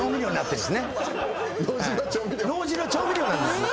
脳汁は調味料なんです。